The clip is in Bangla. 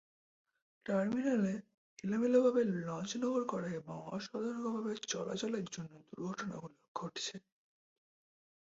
টার্মিনালে এলোমেলোভাবে লঞ্চ নোঙর করা এবং অসতর্কভাবে চলাচলের জন্য দুর্ঘটনাগুলো ঘটেছে।